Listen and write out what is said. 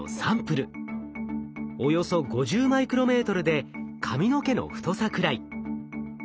およそ５０マイクロメートルで髪の毛の太さくらい。